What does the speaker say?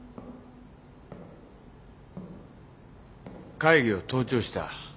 ・会議を盗聴した？